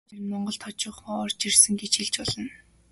Гүнж харин монголд хожуухан орж ирсэн гэж хэлж болно.